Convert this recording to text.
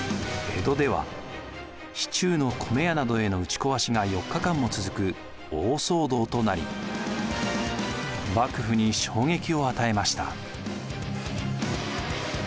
江戸では市中の米屋などへの打ちこわしが４日間も続く大騒動となり幕府に衝撃を与えました。